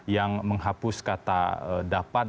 yang menghapus kata dapat